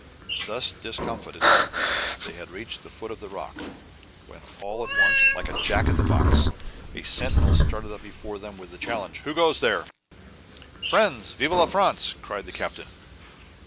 Thus discomfited, they had reached the foot of the rock, when all at once, like a "Jack in the box," a sentinel started up before them with the challenge: "Who goes there?" "Friends. Vive la France!" cried the captain.